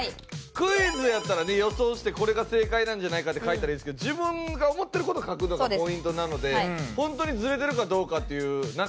クイズやったらね予想してこれが正解なんじゃないかって書いたらいいんですけど自分が思ってる事を書くのがポイントなのでホントにズレてるかどうかっていう中。